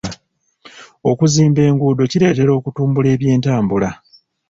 Okuzimba enguudo kireetera okutumbula eby'entambula.